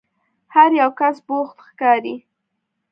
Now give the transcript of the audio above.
هر یو کس بوخت ښکاري.